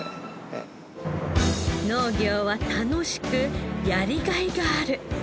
農業は楽しくやりがいがある。